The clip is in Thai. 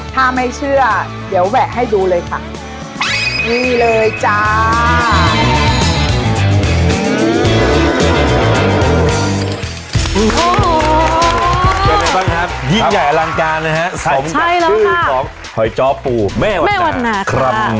ถ้าไม่เชื่อเดี๋ยวแหวะให้ดูเลยค่ะ